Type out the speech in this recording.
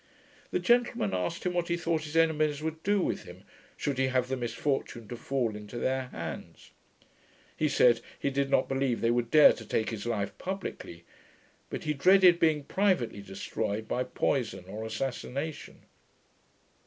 The gentlemen asked him, what he thought his enemies would do with him, should he have the misfortune to fall into their hands. He said, he did not believe they would dare to take his life publickly, but he dreaded being privately destroyed by poison or assassination.